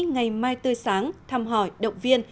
ngày mai tươi sáng thăm hỏi động viên